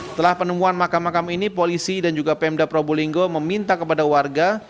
setelah penemuan makam makam ini polisi dan juga pmd prabu linggo meminta kepada warga